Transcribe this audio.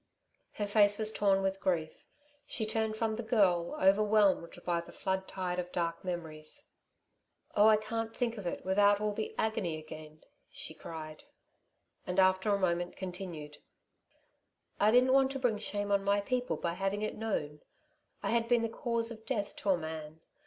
Her face was torn with grief; she turned from the girl, overwhelmed by the flood tide of dark memories. "Oh, I can't think of it without all the agony again," she cried. And after a moment, continued: "I didn't want to bring shame on my people by having it known ... I had been the cause of death to a man